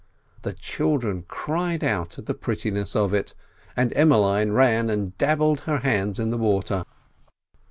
The children cried out at the prettiness of it, and Emmeline ran and dabbled her hands in the water.